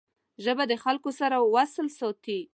ژبه د خلګو سره وصل ساتي